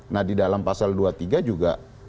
nah di dalam pasal dua puluh tiga juga